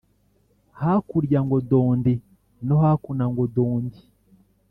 Hakurya ngo dondi no hakuno ngo dondi.-